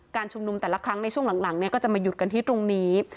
ชุมนุมแต่ละครั้งในช่วงหลังเนี่ยก็จะมาหยุดกันที่ตรงนี้